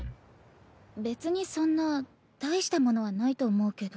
別にそんな大したものはないと思うけど。